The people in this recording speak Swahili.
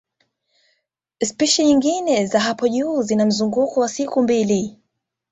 Spishi nyingine za hapo juu zina mzunguko wa siku mbili